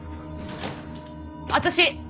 私。